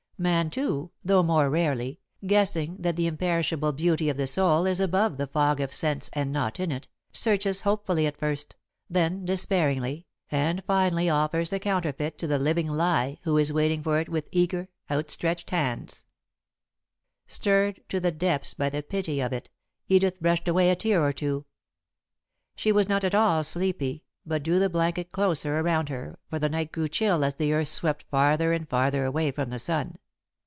Man, too, though more rarely, guessing that the imperishable beauty of the soul is above the fog of sense and not in it, searches hopefully at first, then despairingly, and finally offers the counterfeit to the living Lie who is waiting for it with eager, outstretched hands. [Sidenote: The Clouds Break] Stirred to the depths by the pity of it, Edith brushed away a tear or two. She was not at all sleepy, but drew the blanket closer around her, for the night grew chill as the earth swept farther and farther away from the sun.